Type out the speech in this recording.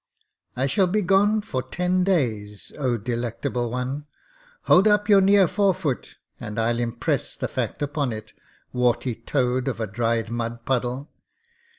'I shall be gone for ten days, oh Delectable One. Hold up your near forefoot and I'll impress the fact upon it, warty toad of a dried mud puddle.'